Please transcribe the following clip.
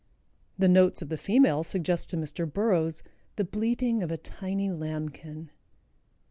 The notes of the female suggest to Mr. Burroughs "the bleating of a tiny lambkin."